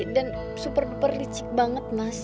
dan super duper licik banget mas